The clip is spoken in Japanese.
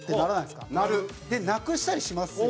品川：なくしたりしますよね。